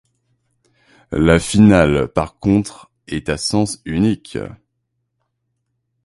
La finale par contre est à sens unique.